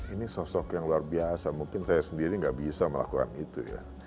ini sosok yang luar biasa mungkin saya sendiri nggak bisa melakukan itu ya